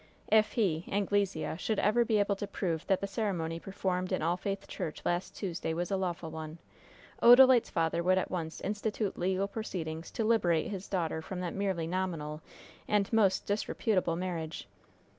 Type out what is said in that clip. If he Anglesea should ever be able to prove that the ceremony performed in All Faith Church last Tuesday was a lawful one, Odalite's father would at once institute legal proceedings to liberate his daughter from that merely nominal and most disreputable marriage.